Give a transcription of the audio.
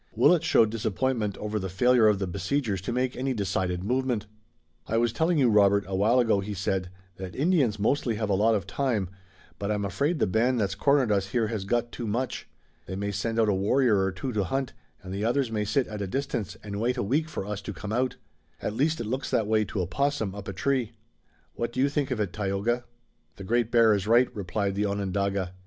Willet showed disappointment over the failure of the besiegers to make any decided movement. "I was telling you, Robert, a while ago," he said, "that Indians mostly have a lot of time, but I'm afraid the band that's cornered us here has got too much. They may send out a warrior or two to hunt, and the others may sit at a distance and wait a week for us to come out. At least it looks that way to a 'possum up a tree. What do you think of it, Tayoga?" "The Great Bear is right," replied the Onondaga.